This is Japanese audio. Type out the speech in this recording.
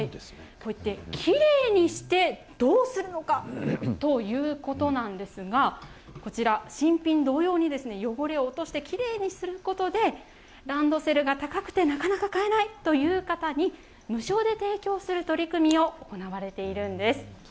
こうやってきれいにしてどうするのかということなんですが、こちら、新品同様に汚れを落として、きれいにすることで、ランドセルが高くて、なかなか買えないという方に、無償で提供する取り組みが行われているんです。